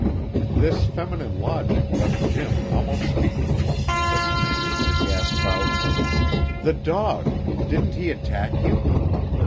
This feminine logic left Jim almost speechless, but he managed to gasp out: "The dog! Didn't he attack you?"